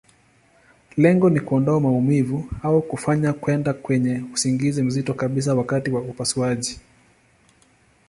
Lengo ni kuondoa maumivu, au kufanya kwenda kwenye usingizi mzito kabisa wakati wa upasuaji.